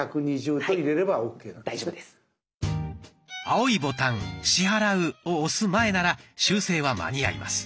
青いボタン「支払う」を押す前なら修正は間に合います。